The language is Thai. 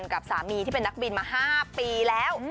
กับสามีที่เป็นนักบินมา๕ปีแล้ว